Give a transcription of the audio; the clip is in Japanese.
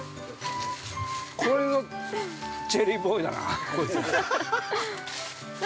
◆これが、チェリーボーイだな。